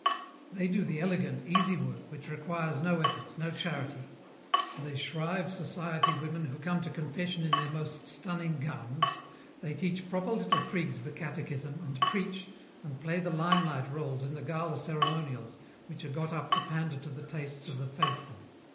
"They do the elegant, easy work, which requires no effort, no charity. They shrive society women who come to confession in their most stunning gowns; they teach proper little prigs the catechism, and preach, and play the limelight rôles in the gala ceremonials which are got up to pander to the tastes of the faithful.